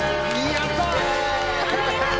やったー！